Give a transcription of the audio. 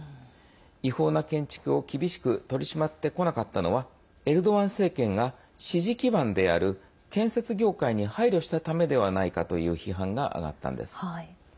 違法な建築を、厳しく取り締まってこなかったのはエルドアン政権が支持基盤である建設業界に配慮したためではないかという批判が上がったんです。